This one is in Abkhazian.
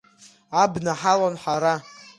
Абна ҳалан ҳара…